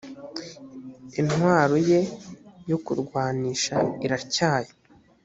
intwaro ye yokurwanisha iratyaye .